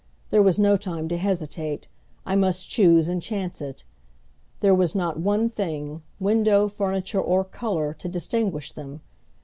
There was no time to hesitate, I must choose and chance it! There was not one thing window, furniture or color to distinguish them.